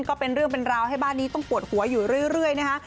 ก็เป็นเรื่องเป็นราวให้บ้านนี้ต้องปวดหัวอยู่เรื่อยนะคะ